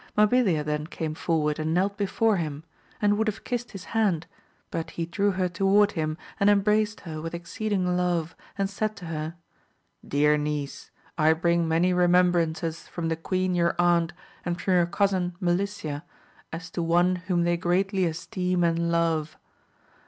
Mahilia then came forward and knelt before him, and AMADIS OF GAUL. 151 would have kissed his hand, but he drew her toward him and embraced her with exceeding love, and said to her, Dear niece, I bring many remembrances from the queen your aunt and from your cousin Melicia, as to one whom they greatJy esteem and love.